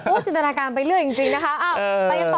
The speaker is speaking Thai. อู้วจินตนาการเป็นเรื่องจริงนะคะ